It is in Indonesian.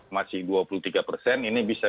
masih dua puluh tiga persen ini bisa